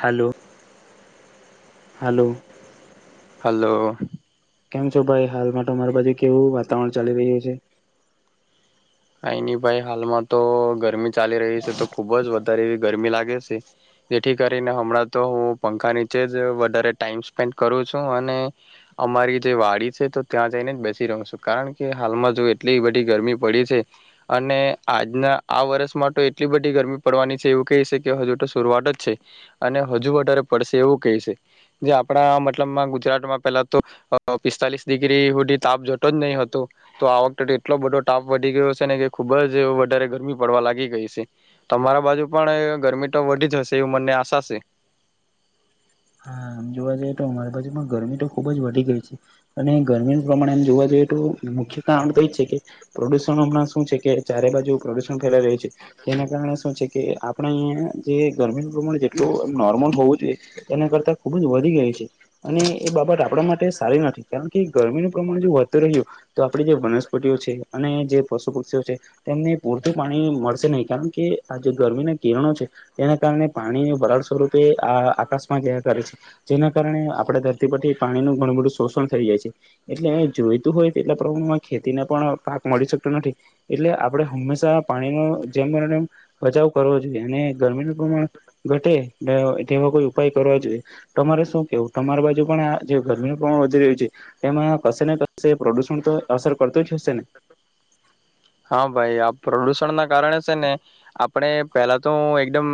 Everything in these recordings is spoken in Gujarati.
હાલો, હાલો. હાલો. કેમ છો ભાઈ હાલમાં તો મારા બાજુ કેવું વાતાવરણ ચાલી રહ્યું છે? અહી નહી ભાઈ હાલમાં તો ગરમી ચાલી રહી છે. તો ખૂબ જ વધારે એવી ગરમી લાગે છે. જેથી કરીને હમણાં તો હું પંખા નીચે જ વધારે ટાઈમ સ્પેન્ડ કરું છું અને અમારી જે વાડી છે તો ત્યાં જઈને જ બેસી રહ્યો છું. કારણ કે હાલમાં જો એટલી બધી ગરમી પડી છે. અને આજના આ વર્ષમાં તો એટલી બધી ગરમી પડવાની છે એવું કહી છે કે હજુ તો શરૂઆત જ છે અને હજુ વધારે પડશે એવું કહી છે જે આપણા મતલબમાં ગુજરાતમાં પેલા તો અહ પિસ્તાલીસ ડિગ્રી સુધી તાપ જતો જ નહી હતો તો આ વખતે એટલો બધો તાપ વધી ગયો છે ને કે ખુબ જ વધારે ગરમી પડવા લાગી ગઈ છે. તમારા બાજુ પણ ગરમી તો વધી જ હશે એવું મને આશા છે. હા આમ જોવા જઈએ તો અમારી બાજુમાં ગરમી તો ખૂબ જ વધી ગઈ છે અને ગરમીનું પ્રમાણે એમ જોવા જઈએ તો મુખ્ય કારણ તો એ જ છે કે પ્રદૂષણ હમણાં શું છે કે ચારે બાજુ પ્રદૂષણ ફેલાઈ રહ્યું છે તેના કારણે શું છે કે આપણે અહીંયા જે ગરમીનું પ્રમાણે જેટલું એમ નોર્મલ હોવું જોઈએ તેના કરતાં ખૂબ જ વધી ગ છે અને એ બાબત આપણા માટે સારી નથી કારણ કે ગરમીનું પ્રમાણ જો વધતું રહ્યું તો આપણી જે વનસ્પતિઓ છે અને જે પશુ પક્ષીઓ છે તેમને પૂરતું પાણી મળશે નહીં કારણ કે આ જે ગરમીના કિરણો છે એના કારણે પાણી વરાળ સ્વરૂપે આ આકાશમાં જયા કરે છે. જેના કારણે આપડે ધરતી પરથી પાણીનું ઘણું બધું શોષણ થઈ જાય છે. એટલે જોઈતું હોય તેટલા પ્રમાણમાં ખેતીને પણ પાક મળી શકતો નથી એટલે આપડે હંમેશા પાણીનો જેમ બચાવ કરવો જોઈએ અને ગરમીનું પ્રમાણ ઘટે તે તેવા કોઈ ઉપાય કરવા જોઈએ. તમારે શું કેવું તમારી બાજુ પણ આ જે ગરમીનું પ્રમાણ વધી રહ્યું છે એમાં કશે ને કશે પ્રદુષણ તો અસર કરતું જ હશે ને? હા ભાઈ આ પ્રદુષણ ના કારણે છે ને આપણે પહેલા તો હું એકદમ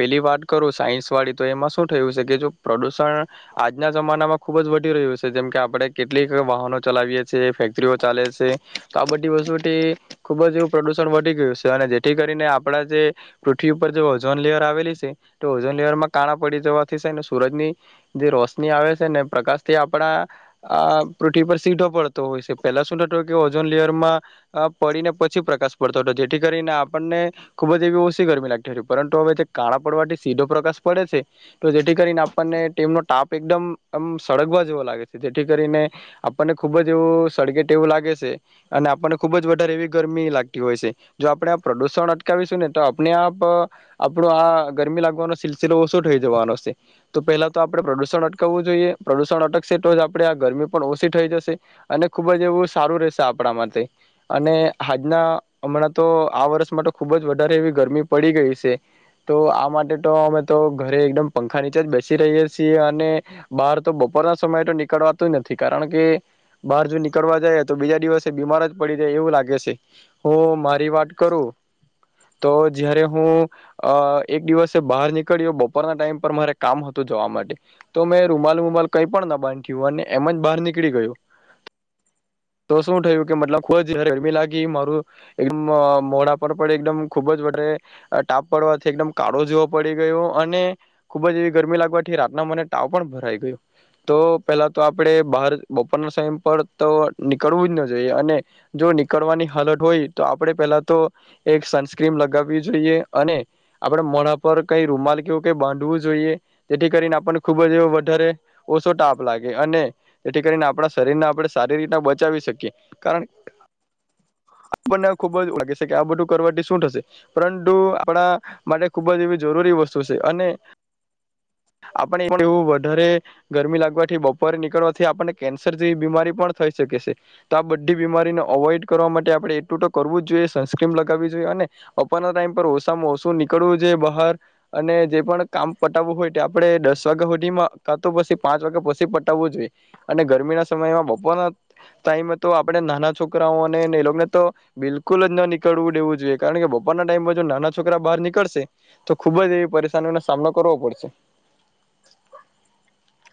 પેલી વાત કરું અહ સાયન્સ વાળી તો એમાં શું થયું છે કે જો પ્રદુષણ આજના જમાનામાં ખુબ જ વધી રહ્યું છે જેમ કે આપડે કેટલીક વાહનો ચલાવીએ છ છેએ ફેક્ટરીઓ ચાલે છે તો આ બધી વસ્તુ તે ખુબજ એવું પ્રદુષણ વધી ગયું છે અને જેથી કરીને આપડા જે પૃથ્વી ઉપર જે ઓઝોન લેયર આવેલી છે તો ઓઝોન લેયર માં કાણા પડી જવાથી છે ને સુરજ ની જે રોશની આવે છે ને પ્રકાશ થી આપડા આ પૃથ્વી પર સીધો પડતો હોય છે પેલા શું નતું હોય કે ઓઝોન લેયરમાં આ પડીને પછી પ્રકાશ પડતો હતો જેથી કરીને આપણને ખુબ જ એવી ઓછી ગરમી લાગતી હતી પરંતુ હવે કાળા પડવાથી સીધો પ્રકાશ પડે છે તો જેથી કરીને આપણને તેમનો ટાપ એકદમમ સળગવા જેવો લાગે છે જેથી કરીને આપણને ખુબ જ એવું સળગે ટેવું લાગે છે અને આપણને ખૂબ જ વધારે એવી ગરમી લાગતી હોય છે. જો આપણે આ પ્રદુષણ અટકાવીશું ને તો આપણે આપ આપણો આ ગરમી લાગવાનો સિલસિલો ઓછો થઈ જવાનો છે. તો પહેલાં તો આપણે પ્રદુષણ અટકાવવું જોઈએ પ્રદૂષણ અટકશે તો જ આપણે આ ગરમી પણ ઓછી થઈ જશે અને ખૂબ જ એવું સારું રહેશે આપડા માટે. અને આજના હમણાં તો આ વર્ષમાં તો ખુબ જ વધારે એવી ગરમી પડી ગઈ છે તો આ માટે તો અમે તો ઘરે એકદમ પંખા નીચે જ બેસી રહીએ છીએ અને બહાર તો બપોરના સમયે તો નીકળવાતું જ નથી કારણ કે બહાર જો નીકળવા જાય તો બીજા દિવસે બીમાર જ પડી જાએ એવું લાગે છે. હું મારી વાત કરું તો જયારે હું અહ એક દિવસે બહાર નીકળ્યો બપોરના ટાઈમ પર મારે કામ હતું જવા માટે તો મેં રૂમાલ રૂમાલ કઈ પણ ના બાંધ્યું અને એમ જ બહાર નીકળી ગયું તો શું થયું કે મતલબ ખૂબ જ ગ-ગરમી લાગી મારું એમ મોડા પર પણ એકદમ ખૂબ જ વધારે ટાપ પડવાથી એકદમ કાળો જેવો પડી ગયો અને ખૂબ જ એવી ગરમી લાગવાથી રાતના મને તાવ પણ ભરાઈ ગયો. તો પહેલા તો આપણે બહાર બપોરના સમય પર તો નીકળવું જ ન જોઈએ અને જો નીકળવાની હાલત હોય તો આપડે પેલા તો એક સનસ્ક્રીન લગાવવી જોઈએ અને આપડે મોણા પર કઈ રૂમાલ કેવું ક બાંધવું જોઈએ તેથી કરીને આપણને ખુબ જ વધારે ઓછો ટાપ લાગે અને તેથી કરીને આપણા શરીરને આપણે સારી રીતના બચાવી શકીએ કારણ આપણને ખુબ જ લાગે છે કે આ બધું કરવાથી શું થશે પરંતુ આપડા માટે ખુબ જ એવી જરૂરી વસ્તુ છે અને આપને એવું વધારે ગરમી લાગવાથી બપોરે નીકળવાથી આપને કેન્સર જેવી બીમારી પણ થઈ શકે છે તો આ બ ધી બીમારીને અવોઈડ કરવા માટે આપણે એટલું ટનકરવું જ જોઈએ સનસ્ક્રીમ લગાવવી જોઈએ અને બપોરના ટાઈમ પર ઓછામાં ઓછું નીકળવું જોઈએ બહાર અને જે પણ કામ પટાવવું હોય આપડે દસ વાગ્યા સુધીમાં કા તો પછી પાંચ વાગ્યા પછી પટાવવું જોઈએ અને ગરમીના સમયમાં બપોરના ટાઈમએ તો આપણે નાના છોકરાઓ અને એને તો બિલકુલ જ ના નીકળવું દેવું જોઈએ કારણ કે બપર ના ટાઈમમાં જો નાના છોકરા બહાર નીકળશે તો ખુબ જ એવી પરેશાનીઓનો સામનો કરવો પડશે.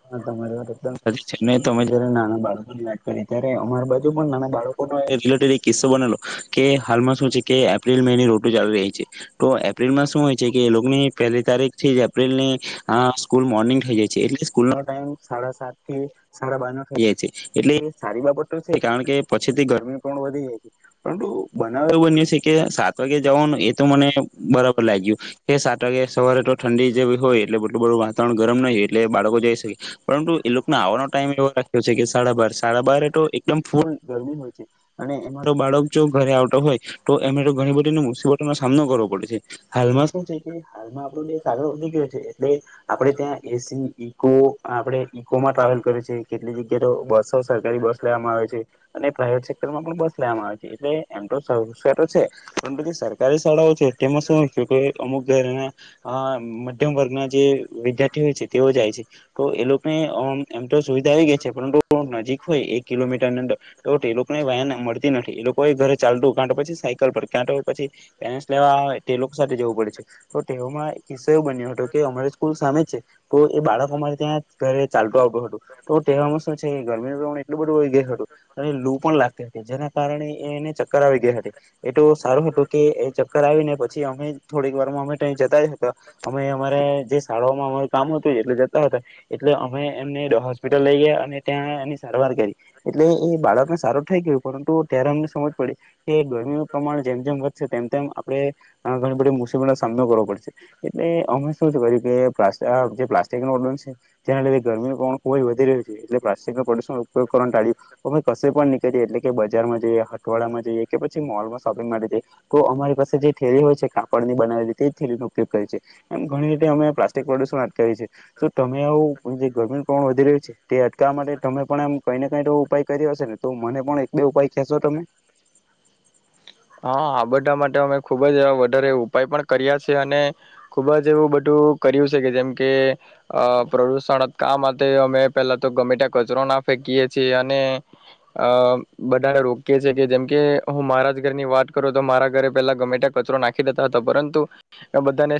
હા, તમારી વાત એકદમ સાચી ને તમે જયારે નાના બાળકોની વાત કરી ત્યારે અમારી બાજુ પણ નાના બાળકોનો રિલેટેડ એક કિસ્સો બનેલો કે હાલમાં શું છે કે એપ્રિલ મે એની રોટુ ચાલી રહી છે તો એપ્રિલમાં શું હોય છે કે એ લોકોની પહેલી તારીખ છે જે એપ્રિલ ની અહ સ્કૂલ મોર્નિંગ થઈ જાય છે એટલે સ્કૂલ નો ટાઈમ સાડા સાત થી સાડા બાર નો થઈ જાય છે એટલે એ સારી બાબત તો છે કારણ કે પછીથી ગરમી પણ વધી જાય છે પરંતુ બનાવ એવું બન્યું છે કે સાત વાગે જવાનું એ તો મને બરાબર લાગ્યું કે સાત વાગે સવારે તો ઠંડી જેવી હોય એટલે બટલું બધું વાતાવરણ ગરમ નહીં હોય એટલે બાળકો જઈ શકે. પરંતુ એ લોકના આવાનો ટાઈમ એવો રાખ્યો છે કે સાડા બાર સાડા બાર તો એકદમ ફૂલ ગરમી હોય છે અને એમાં તો બાળક જો ઘરે આવતો હોય તો એ તો ઘણી બધી મુશબતોનો સામનો કરવો પડે છે. હાલમાં શું છે કે હાલમાં આપોડુ દેશ આગળ વધી ગયો છે એટલે આપ ત્યાં એ સી ની કો આપડે ઈકો માં ટ્રાવેલ કરે છે કેટલી જગ્યાએ તો બસ સરકારી બસ લેવામાં આવે છે અને પ્રાઇવેટ સેક્ટરમાં પણ બસ લેવામાં આવે છે એટલે એમ સોરક્ષા તો છે પરંતુ જે સરકારી શાળાઓ છે તેમાં શું હોય છે કે અમુક ઘરના અહ મધ્યમ વર્ગના જે વિદ્યાર્થી હોય છે તેઓ જાય છે. તો એ લોકોને આમ એમ તો સુવિધા આવી ગઈ છે પરંતુ નજીક હોય એક કિલોમીટરની અંદર તો તે લોકોને વેન મળતી નથી એ લોકો એ ઘરે ચાલતું કાંટો પછી સાયકલ પર કાંટો પછી પે લેવા તે લોકો સાથે જવું પડે છે તો તેમાં એક કિસ્સો એવું બન્યો હતો કે અમારે સ્કૂલ સામે જ છે તો એ બાળક અમારે ત્યાં ઘરે ચાલતું આવતું હતું તો તેહેવામાં શું છે ગરમીનું પ્રમાણ એટલું બધું હોય ગયો થતું અને લુ પણ લાગતી કે જેના કારણે એ એને ચક્કર આવી ગયા હતી. તો સારું હતું કે એ ચક્કર આવી ને પછી અમે થોડીક [unintelligible] અમે તયે જતાય હતા, અમે અમારે જે શાળાઓમાં અમારે કામ હતું એટલે જ તા હતા, એટલે અમે એમને હોસ્પિટલ લઈ ગયા, અને ત્યાં એની સારવાર કરી. એટલે એ બાળકને સારું થઈ ગયું, પરંતુ ત્યારે અમને સમજ પડી કે ગરમીનું પ્રમાણ જેમ-જેમ વધશે તેમ-તેમ આપણે હવે ઘણી બધી મુસીબતનો સામનો કરવો પડશે. એટલે અમે શું જ કર્યું કે [unintelligible] [unintelligible] જેના લીધે ગરમીનું પ્રમાણ ખુબ જ વધી રહ્યું છે, એટલે પ્લાસ્ટિકનું પ્રદૂષણ ઉપયોગ કરવાનું ટાળ્યું, અમે કશે પણ નીકળીએ, એટલે કે બજાર માં જઈએ, હટવાડા માં જઈએ, કે પછી મોલમાં શોપિંગ માટે જઈએ, તો અમારી પાસે જે થેલી હોય છે કાપડ ની બનાવેલી તે જ થેલી નો ઉપયોગ કર્યે છે. એમ ઘણી રીતે અમે પ્લાસ્ટિક પ્રદુષણ અટકાવી છી. તો તમે આવું જે ગરમીનું પ્રમાણ વધી રહ્યું છે તે અટકવવા માટે તમે પણ એમ કઈ ને કઈ તો ઉપાય કર્યો હશેને. તો મને પણ એક બે ઉપાય કહેશો તમે? હા. આ બધા માટે અમે ખુબ જ એવા વધારે ઉપાય પણ કર્યા છે, અને ખુબ જ એવું બધું કર્યું છે કે જેમકે અહ પ્રદૂષણ અટકાવવા માટે અમે પેલા તો ગમે ટા કચરો ના ફેંકીએ છીએ અને અહ બધાને રોકીએ છીએ જેથી જેમકે હું મારા જ ઘર ની વાત કરું તો મારા ઘરે પેલા ગમેટા કચરો નાખી દેતા હતા, પરંતુ મે બધાને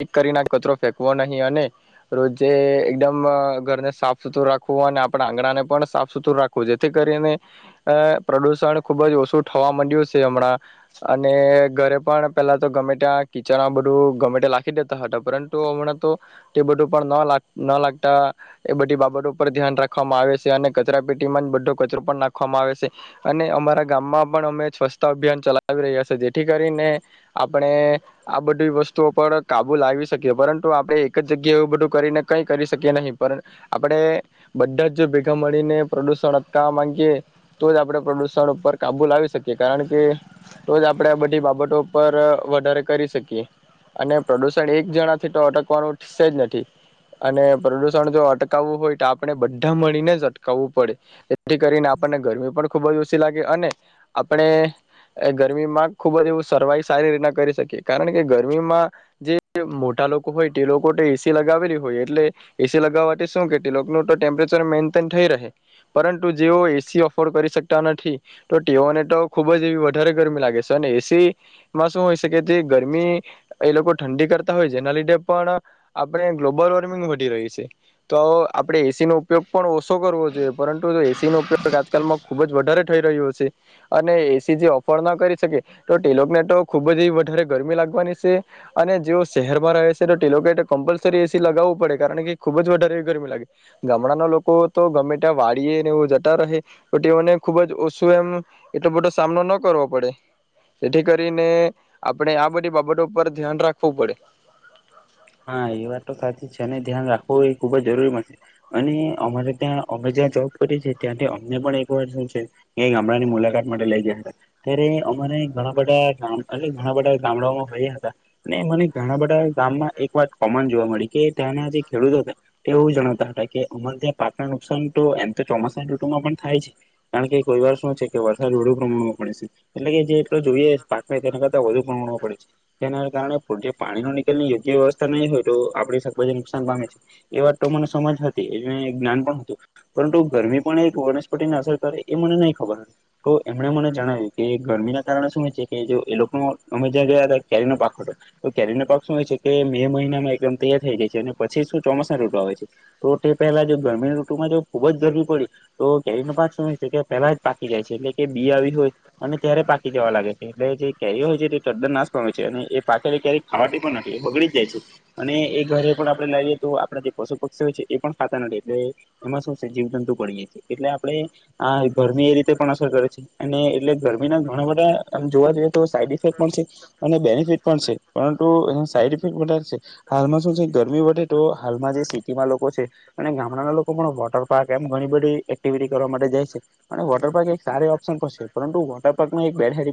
[unintelligible] કરીને કચરો ફેંકવો નહીં, અને રોજે એકદમ અહ ઘરને સાફ સુથરું રાખવું, અને આપણા આંગણાને પણ સાફ સુથરું રાખવું. જેથી કરીને અહ પ્રદુષણ ખુબ જ ઓછું થવા માંડ્યું સે હમણાં, અને ઘરે પણ પહેલાં તો ગમે ત્યાં કિચનમાં આ બધું ગમેટે લાખી દેતા હતા, પરંતુ હમણાં તો તે બધું પણ ન લાગ ન લાગતા એ બધી બાબતો પર ધ્યાન રાખવામાં આવે સે, અને કચરા પેટીમાં જ બધો કચરો પણ નાખવામાં આવે સે. અને અમારા ગામમાં પણ અમે સ્વચ્છતા અભિયાન ચલાવી રહ્યા છે, જેથી કરીને આપણે આ બધી વસ્તુઓ પર કાબુ લાવી શકીએ, પરંતુ આપણે એક જ જગ્યાએ એવું બધું કરીને કઈ કરી શકીએ નહીં, પણ આપણે બધા જ જો ભેગા મળીને પ્રદુષણ અટકાવવા માંગીએ તો જ આપણે પ્રદુષણ ઉપર કાબુ લાવી શકીએ કારણ કે તોજ આપણે આ બધી બાબતો પર વધારે કરી શકીએ. અને પ્રદુષણ એક જણાથી તો અટકવાનું શે જ નથી, અને પ્રદુષણ જો અટકાવવું હોય તો આપણે બધા મળીને જ અટકાવવું પડે. તેથી કરીને આપણને ગરમી પણ ખુબ જ ઓછી લાગે અને આપણે ગરમીમાં ખૂબ જ એવું સર્વાઈવ સારી રીતના કરી શકીએ, કારણ કે ગરમીમાં જે મોટા લોકો હોય તે લોકો તો એ સી લગાવેલી હોય, એટલે એ સી લગાવવા થી શું કે તે લોકનું તો ટેમ્પરેચર મેન્ટેન થઈ રહે, પરંતુ જેઓ એ સી અફોર્ડ કરી શકતા નથી, તો તેઓને તો ખુબ જ એવી વધારે ગરમી લાગે છે, અને એ સીમાં શું હોય સે કે તે ગરમી એ લોકો ઠંડી કરતા હોય જેના લીધે પણ આપણે ગ્લોબલ વોર્મિંગ વધી રહી છે. તો આપણે એ સી નો ઉપયોગ પણ ઓછો કરવો જોઈએ, પરંતુ જો એ સી નો ઉપયોગ આજકાલમાં ખુબ જ વધારે થઈ રહ્યો છે. અને એ સી જે ઓફોર્ડ ના કરી શકે તો તે લોકને ટો ખુબ જ એવી વધારે ગરમી લાગવાની સે, અને જેઓ શહેરમાં રહે સે તો તે ટે લોક ને ટો કમ્પલસરી એ સી લગાવવું પડે, કારણ કે ખુબ જ વધારે એવી ગરમી લાગે. ગામડાના લોકો તો ગમે ત્યાં વાડીએ ને એવું જતા રહે તો તેઓને ખૂબ જ ઓછું એમ એટલો બધો સામનો ન કરવો પડે, જેથી કરીને આપણેે આ બધી બાબતો પર ધ્યાન રાખવું પડે. હા એ વાત તો સાચી જ છે. ને ધ્યાન રાખવું એ ખુબ જ જરૂરી પણ સે. અને અમારે ત્યાં અમે જ્યાં જોબ કરીએ છી ત્યાંથી અમને પણ એક વાર શું છે કે ગામડાની મુલાકાત માટે લઈ ગયા હતા, ત્યારે અમારે ઘણા બધા ગામ એટલે ઘણા બધા ગામડાઓ ફર્યા હતા, અને મને ઘણા બધા ગામમાં એક વાત કોમન જોવા મળી કે ત્યાંના જે ખેડૂતો હતા તે એવું જણાવતા હતા કે અમાર ત્યાં પાકના નુકસાન તો એમ તો ચોમાસાની ૠટુમાં પણ થાય છે, કારણ કે કોઈ વાર શું છે કે વરસાદ [unintelligible] એટલે કે જેટ જોઈએ પાક તેના કરતા વધુ પણો પડે છે તેના કારણે જે પાણી ન નીકલની વ્યવસ્થા ની હોય તો આપણે શાકભાજી નુકસાન પામે છે. એ વાત તો મને સમજ હતી એ જ્ઞાન પણ હતું. પરંતુ ગરમી પણ એક વનસ્પતિને અસર કરે એ મને નહીં ખબર હતી. તો એમણે મને જણાવ્યું કે ગરમીના કારણે શું હોય છે કે જો એ લોકો અમે જ્યાં ગયા હતા કેરીનો પાક હતો તો કેરીનો પાક શું હોય છે કે મે મહિનામાં એકદમ તૈયાર થઈ જાય છે અને પછી શું ચોમાસા ઋટો આવે છે તો તે પહેલા જો ગરમીની ઋટુમાં જો ખુબ જ ગરમી પડી તો કેરીનો પાક શું છે કે પહેલા જ પાકી જાય છે એટલે કે બી આવી હોય અને ત્યારે પાકી જવા લાગે છે. એટલે જે કેરી હોય છે તે ચદ્દર નાશ પણ હોય છે અને એ પાકેને કેરી ખાવા પણ નથ બગડી જ જાય છે અને એ ઘરે પણ આપણે લાવએ તો આપણા જે પશુ પક્ષી હોય છે એ પણ ખાતા નથી એટલે એમાં શું છે જીવ જંતુ પડીએ છે એટલે આપણે ગરમી એ રીતે પણ અસર કરે છે અને એટલે ગરમીના ઘણા બધા જોવા જઈએ તો સાઈડ ઇફેક્ટ પણ છે અને બેનિફિટ પણ છે. પરંતુ એની સાઈડ ઇફેક્ટ વધારે છે. હાલમાં શું છે ગરમી વધે તો હાલમાં જે સિટીમાં લોકો છે અને ગામડાના લોકો પણ વોટર પાર્ક એમ ઘણી બધી એક્ટિવિટી કરવા માટે જાય છે અને વોટર પાર્ક એક સાર ઓપ્શન પર છે. પરંતુ વોટર પાર્કમાં એક બેડે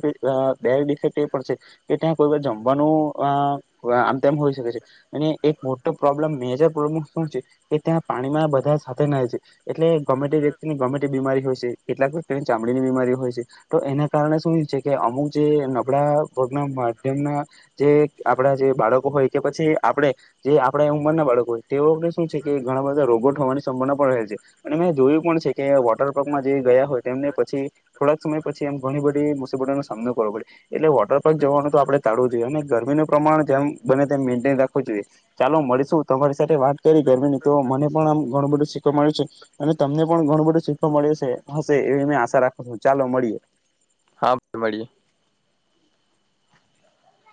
બેડ ઇફેક્ટ એ પડ છે કે ત્યાં કોઈ વાર જમવાનું અ આમ તોમ હોઈ શકે છે અને એક મોટો પ્રોબ્લેમ મેજર શું છે કે ત્યાં પાણીમાં તા સાથે ના હોય છે એટલે ગમેટી વ્યક્તિનીને ગમે તે બીમારી હોય કેટલાક વની ચામડીની બીમારી હોય છે તો એના કારણે શું છે કે અમુક જે નબળા વગના માધ્યમના જે આપડા જે બાળકો હોય કે પછી આપણે જે આપણા ઉંમરના બાળકો હોય તેઓને શું છે કે ઘણા બધા રોગોટ હોવાની સંભાવના પણ રહેલ છે અને મેં જોયું પણ છે કે વોટર પાર્કમાં જે ગયા હોય તેમને પછી થોડાક સમય પછી ઘણી બધી મુસીબતો નો સામનો કરવો પડે. એટલે વોટર પાર્ક જવાનું આપડે તાળવું જોઈએ ને? ગરમીને પ્રમાણે જે બને તેમ મેન્ટન રાખવું જોઈએ. ચાલો મળીશું તમારી સાથે વાત રવી ગમી તો મને પણ આમ ઘણું બધુ શીખ મળે છે અને તમને પણ ઘણું બધું સીખવા મળ્યું છે હશે એવી મે આશા રાખું છું ચાલો મળીએ. હા મળીએ.